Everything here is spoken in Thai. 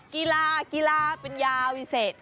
กีฬาเป็นยาวิเศษ